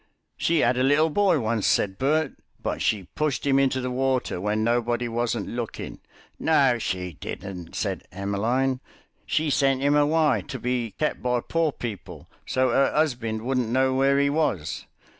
"She 'ad a little boy once," said Bert, "but she pushed 'im into the water when nobody wasn't looking." "No she didn't," said Emmeline, "she sent 'im away to be kep' by poor people, so 'er 'usbind wouldn't know where 'e was.